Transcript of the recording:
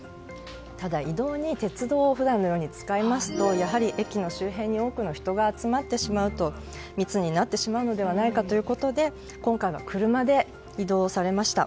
ただ移動に鉄道を普段のように使いますとやはり駅の周辺に多くの人が集まってしまうと密になってしまうのではないかということで今回は車で移動されました。